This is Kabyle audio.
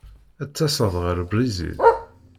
Ad d-taseḍ ɣer Brizil?